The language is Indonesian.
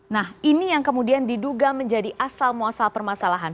nah ini yang kemudian diduga menjadi asal muasal permasalahan